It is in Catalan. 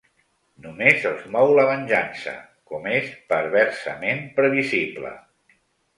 Només els mou la venjança, com és perversament previsible.